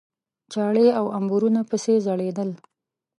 چاړې او امبورونه پسې ځړېدل.